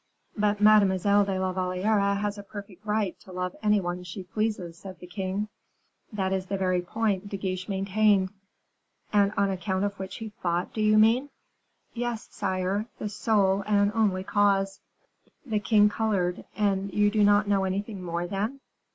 "But Mademoiselle de la Valliere has a perfect right to love any one she pleases," said the king. "That is the very point De Guiche maintained." "And on account of which he fought, do you mean?" "Yes, sire, the sole and only cause." The king colored. "And you do not know anything more, then?"